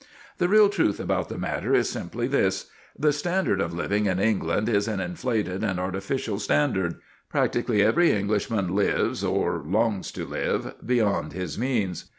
The real truth about the matter is simply this the standard of living in England is an inflated and artificial standard. Practically every Englishman lives, or longs to live, beyond his means.